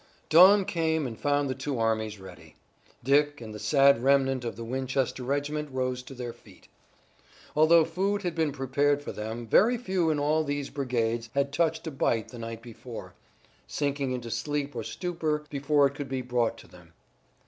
Dawn came and found the two armies ready. Dick and the sad remnant of the Winchester regiment rose to their feet. Although food had been prepared for them very few in all these brigades had touched a bite the night before, sinking into sleep or stupor before it could be brought to them.